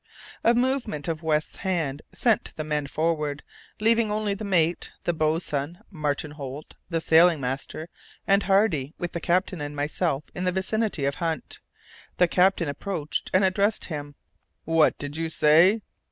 A movement of West's hand sent the men forward, leaving only the mate, the boatswain, Martin Holt, the sailing master, and Hardy, with the captain and myself in the vicinity of Hunt. The captain approached and addressed him: "What did you say?"